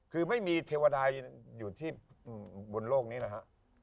คือไม่มีเทวดายอยู่ที่บนโลกนี้นะฮะ